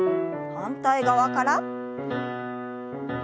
反対側から。